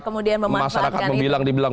memanfaatkan itu masyarakat dibilang